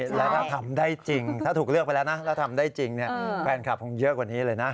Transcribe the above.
แล้วถ้าทำได้จริงถ้าถูกเลือกไปแล้วนะแล้วทำได้จริงแฟนคลับคงเยอะกว่านี้เลยนะ